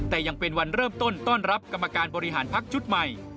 แต่ยังเป็นวันเริ่มต้นต้อนรับกรรมการบริหารพักชุดใหม่